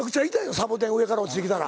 サボテン上から落ちてきたら。